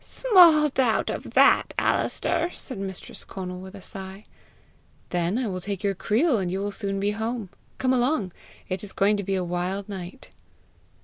"Small doubt of that, Alister!" said mistress Conal with a sigh. "Then I will take your creel, and you will soon be home. Come along! It is going to be a wild night!"